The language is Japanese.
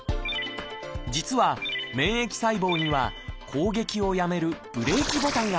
実は免疫細胞には攻撃をやめるブレーキボタンがあります。